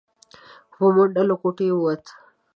په منډه له کوټې ووت.